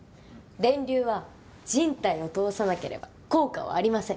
電流は人体を通さなければ効果はありません。